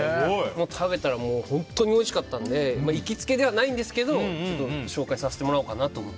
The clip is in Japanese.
食べたら本当においしかったので行きつけではないんですが紹介させてもらおうかなって。